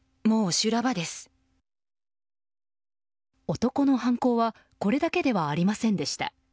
男の犯行はこれだけではありませんでした。